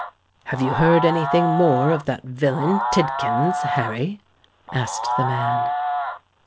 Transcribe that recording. "Have you heard any thing more of that villain Tidkins, Harry?" asked the man.